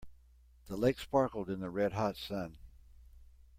The lake sparkled in the red hot sun.